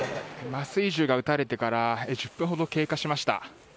麻酔銃が撃たれてから１０分ほど経過しました。